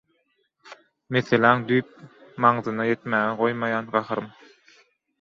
meseläň düýp maňzyna ýetmäge goýmaýan gaharym.